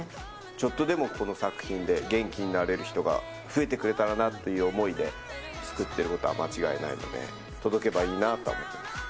ちょっとでもこの作品で元気になれる人が増えてくれたらなっていう思いで、作っていることは間違いないので、届けばいいなとは思ってます。